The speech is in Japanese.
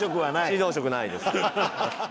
獅童色ないです。